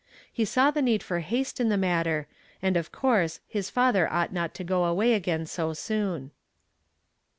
He saw the need for haste in the mat ter, and of course his father ought not to go away again so soon.